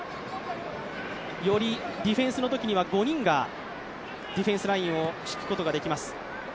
よりディフェンスのときには５人がディフェンスラインを敷くことができます。